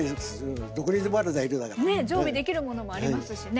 ねえ常備できるものもありますしね。